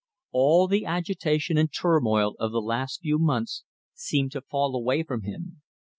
All the agitation and turmoil of the last few months seemed to fall away from him.